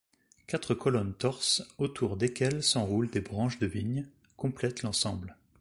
Quatre colonnes torses, autour desquelles s'enroulent des branches de vigne, complètent l'ensemble.